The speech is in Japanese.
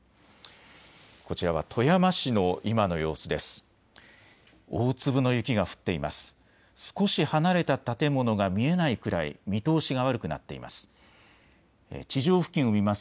こちらは富山市の今の様子です。